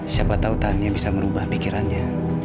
siapa tau tania bisa merubah pikirannya